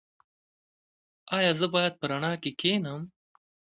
ایا زه باید په رڼا کې کینم؟